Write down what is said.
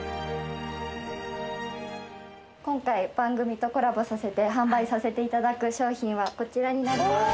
今回番組とコラボさせて販売させて頂く商品はこちらになります。